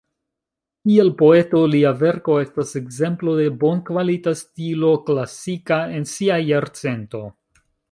Kiel poeto, lia verko estas ekzemplo de bonkvalita stilo klasika en sia jarcento.